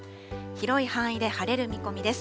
広い範囲で晴れる見込みです。